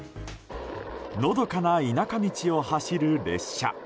のどかな田舎道を走る列車。